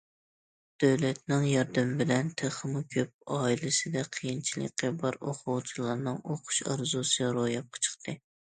دۆلەتنىڭ ياردىمى بىلەن، تېخىمۇ كۆپ ئائىلىسىدە قىيىنچىلىقى بار ئوقۇغۇچىلارنىڭ ئوقۇش ئارزۇسى روياپقا چىقتى.